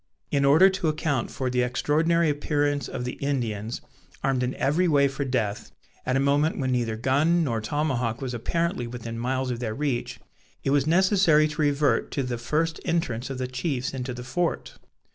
In order to account for the extraordinary appearance of the Indians, armed in every way for death, at a moment when neither gun nor tomahawk was apparently within miles of their reach, it was necessary to revert to the first entrance of the chiefs into the fort.